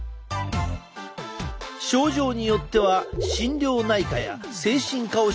症状によっては心療内科や精神科を紹介されることもある。